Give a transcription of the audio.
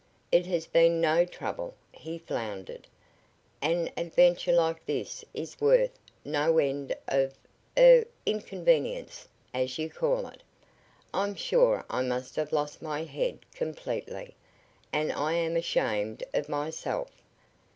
"It has been no trouble," he floundered "An adventure like this is worth no end of er inconvenience, as you call it. I'm sure I must have lost my head completely, and I am ashamed of myself.